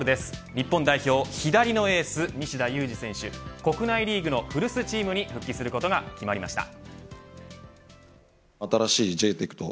日本代表左のエース、西田有志選手国内リーグの古巣チームに復帰することが決まりました。